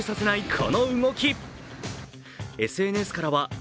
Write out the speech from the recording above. この動き。